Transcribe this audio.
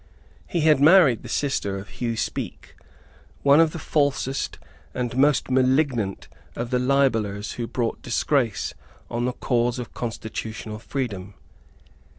He had married the sister of Hugh Speke, one of the falsest and most malignant of the libellers who brought disgrace on the cause of constitutional freedom.